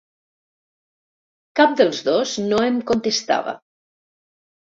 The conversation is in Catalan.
Cap dels dos no em contestava.